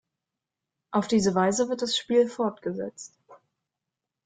Auf diese Weise wird das Spiel fortgesetzt.